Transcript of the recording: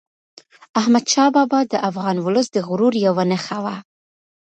احمدشاه بابا د افغان ولس د غرور یوه نښه وه.